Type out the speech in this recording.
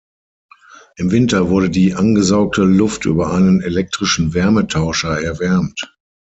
Im Winter wurde die angesaugte Luft über einen elektrischen Wärmetauscher erwärmt.